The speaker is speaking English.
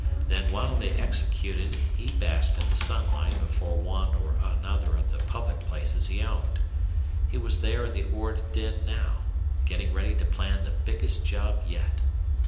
Then while they executed he basked in the sunshine before one or another of the public places he owned. He was there in the Ord den now, getting ready to plan the biggest job yet.